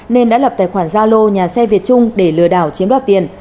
nên đã lập tài khoản gia lô nhà xe việt trung để lừa đảo chiếm đoạt tiền